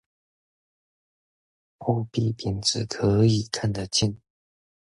貨幣貶值可以看得見